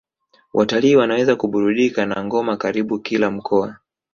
Watalii wanaweza kuburudika na ngoma karibu kila mkoa